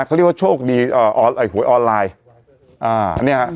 เขาเรียกว่าโชคดีเอ่อหวยออนไลน์อ่าเนี่ยฮะ